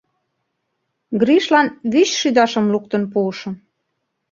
Гришлан вичшӱдашым луктын пуышым.